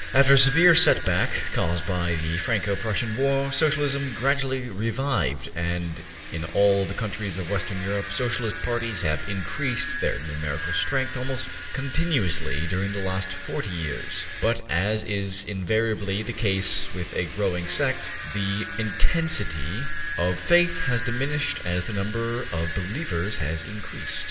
After a severe setback, caused by the Franco Prussian war, Socialism gradually revived, and in all the countries of Western Europe Socialist parties have increased their numerical strength almost continuously during the last forty years; but, as is invariably the case with a growing sect, the intensity of faith has diminished as the number of believers has increased.